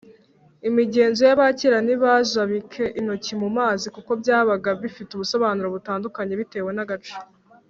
imigenzo y’abakera ntibajabike intoki mu mazi kuko byabaga bifite ubusobanuro butandukanye bitewe n’agace.